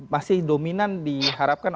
masih dominan diharapkan